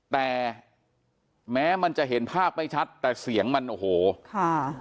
แต่แม้มันจะเห็นภาพไม่ชัดแต่เสียงมันโอ้โหค่ะ